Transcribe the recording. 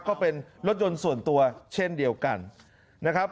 ก็เป็นรถยนต์ส่วนตัวเช่นเดียวกันนะครับ